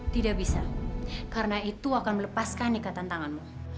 tidak bisa karena itu akan melepaskan nikatan tanganmu